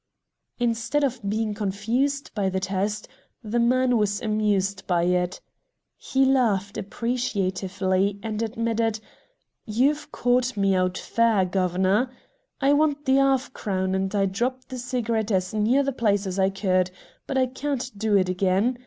Instead of being confused by the test, the man was amused by it. He laughed appreciatively admitted. "You've caught me out fair, governor," "I want the 'arf crown, and I dropped the cigarette as near the place as I could. But I can't do it again.